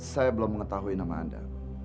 saya belum mengetahui nama anda